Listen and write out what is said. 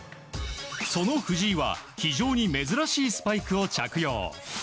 その藤井は非常に珍しいスパイクを着用。